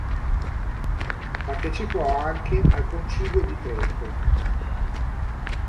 Partecipò anche al Concilio di Trento.